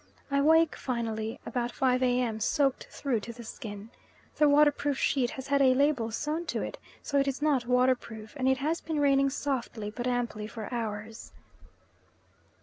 I awake finally about 5 A.M. soaked through to the skin. The waterproof sheet has had a label sewn to it, so is not waterproof, and it has been raining softly but amply for hours.